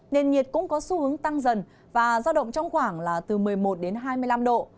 nền nhiệt cũng có xu hướng tăng dần và giao động trong khoảng là từ một mươi một đến hai mươi năm độ